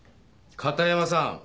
片山さん！